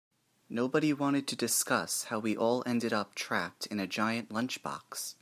Nobody wanted to discuss how we all ended up trapped in a giant lunchbox.